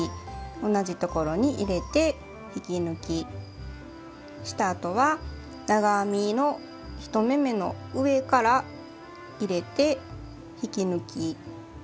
同じところに入れて引き抜きしたあとは長編みの１目めの上から入れて引き抜き。